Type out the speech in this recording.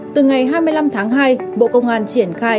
từ ngày hai mươi năm tháng hai bộ công an triển khai